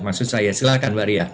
maksud saya silahkan mbak ria